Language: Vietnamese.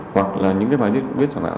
hoặc là những cái vài viết giả mạo